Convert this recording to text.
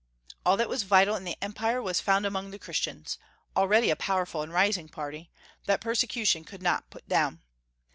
All that was vital in the Empire was found among the Christians, already a powerful and rising party, that persecution could not put down.